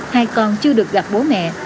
hai con chưa được gặp bố mẹ